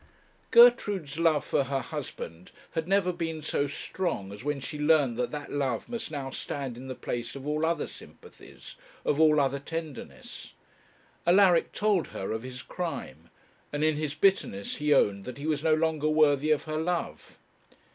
Gertrude's love for her husband had never been so strong as when she learnt that that love must now stand in the place of all other sympathies, of all other tenderness. Alaric told her of his crime, and in his bitterness he owned that he was no longer worthy of her love.